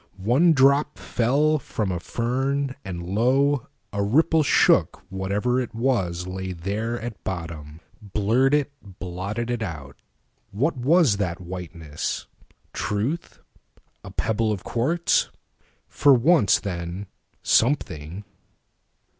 One drop fell from a fern, and lo, a rippleShook whatever it was lay there at bottom, Blurred it, blotted it out. What was that whiteness? Truth? A pebble of quartz? For once, then, something.